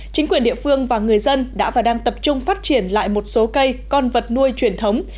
chính quyền địa phương và người dân đã và đang tập trung phát triển lại một số cây con vật nuôi truyền thống